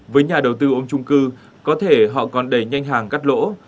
với nhà đầu tư ôm trung cư có thể họ còn đẩy nhanh hàng cắt lỗ